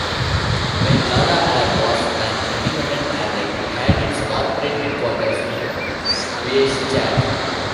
When Lauda Air was an independent airline, it had its corporate headquarters in Schwechat.